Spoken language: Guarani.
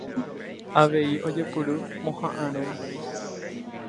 Avei ojepuru pohãramo.